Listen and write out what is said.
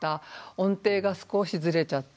音程が少しずれちゃった。